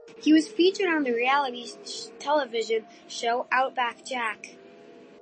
He was featured on the reality television show "Outback Jack".